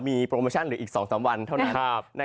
มีโปรโมชั่นเหลืออีก๒๓วันเท่านั้น